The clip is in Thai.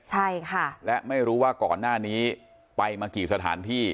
ใช่ค่ะและไม่รู้ว่าก่อนหน้านี้ไปมากี่สถานที่